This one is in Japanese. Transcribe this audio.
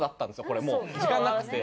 これもう時間なくて。